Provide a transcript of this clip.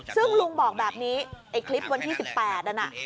ซึ่งลุงบอกแบบนี้ไอ้คลิปวันที่๑๘นั้นน่ะ